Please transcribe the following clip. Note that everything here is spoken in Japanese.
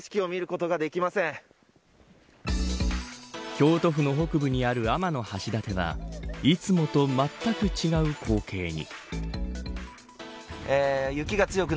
京都府の北部にある天橋立はいつもとまったく違う光景に。